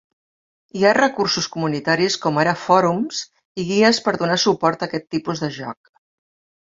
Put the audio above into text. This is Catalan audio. Hi ha recursos comunitaris com ara fòrums i guies per donar suport a aquest tipus de joc.